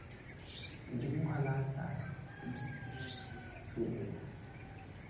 Indi mu kalasa tudi muakumunangana makelela.